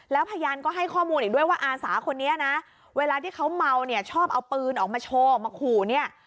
แล้วพยานก็ให้ข้อมูลอีกด้วยว่าอาสาคนนี้นะเวลาที่เขาเมาเนี่ยชอบเอาปืนออกมาโชว์ออกมาขู่เนี่ย